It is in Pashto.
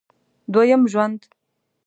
دوه یم ژوند